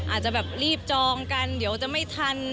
อาจจะแบบรีบจองกันเดี๋ยวจะไม่ทัน